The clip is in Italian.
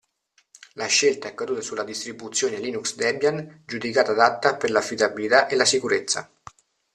La scelta è caduta sulla distribuzione Linux Debian, giudicata adatta per l'affidabilità e la sicurezza.